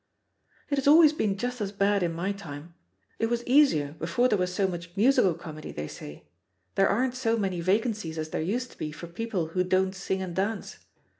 "It has always been just as bad in my time; it was easier before there was so much musical comedy, they say — there aren't so many vacan cies as there used to be for people who don't sing and dance.